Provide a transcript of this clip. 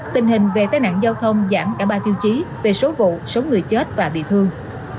tình hình về tai nạn giao thông giảm cả ba tiêu chí về số vụ số người chết và bị thương